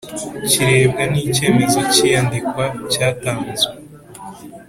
kirebwa n icyemezo cy iyandikwa cyatanzwe